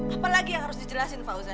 apa lagi yang harus dijelasin pausen